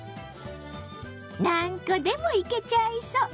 何個でもいけちゃいそう！